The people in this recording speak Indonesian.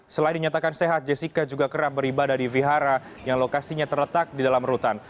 selain dinyatakan sehat jessica juga kerap beribadah di vihara yang lokasinya terletak di dalam rutan